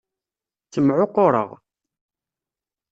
Ttemεukkureɣ.